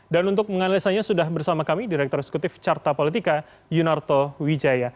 dan untuk menganalisanya sudah bersama kami direktur eksekutif carta politika yunarto wijaya